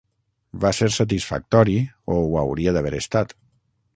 Va ser satisfactori, o ho hauria d'haver estat.